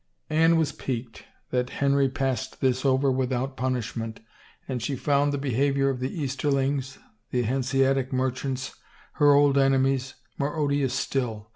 Anne was piqued that Henry passed this over without punishment and she found the behavior of the Easter lings, the Hanseatic merchants, her old enemies, more odious still.